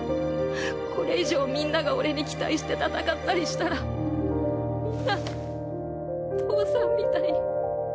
これ以上みんなが俺に期待して戦ったりしたらみんな父さんみたいに。